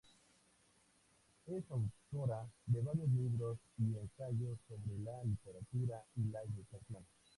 Es autora de varios libros y ensayos sobre la literatura y la educación.